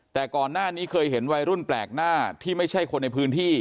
แต่ก่อนหน้านี้เคยเห็นวัยรุ่นแปลกหน้าที่ไม่ใช่คนในพื้นที่